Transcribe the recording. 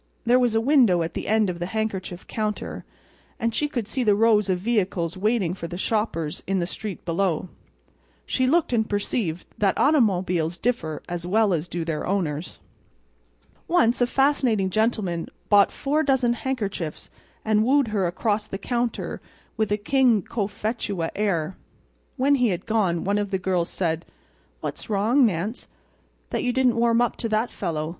There was a window at the end of the handkerchief counter; and she could see the rows of vehicles waiting for the shoppers in the street below. She looked and perceived that automobiles differ as well as do their owners. Once a fascinating gentleman bought four dozen handkerchiefs, and wooed her across the counter with a King Cophetua air. When he had gone one of the girls said: "What's wrong, Nance, that you didn't warm up to that fellow.